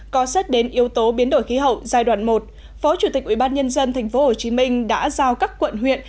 có xét đến yếu tố biến đổi khí hậu giai đoạn một phó chủ tịch ubnd tp hcm đã giao các quận huyện